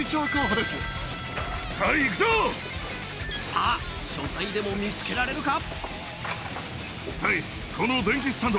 さぁ書斎でも見つけられるか？